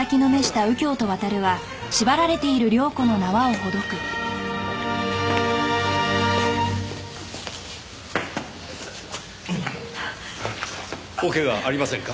お怪我はありませんか？